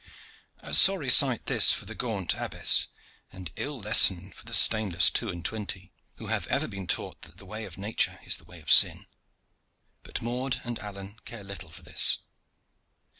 A sorry sight this for the gaunt abbess, an ill lesson too for the stainless two and twenty who have ever been taught that the way of nature is the way of sin. But Maude and Alleyne care little for this.